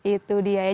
itu dia ya